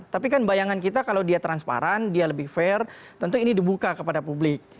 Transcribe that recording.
tapi kan bayangan kita kalau dia transparan dia lebih fair tentu ini dibuka kepada publik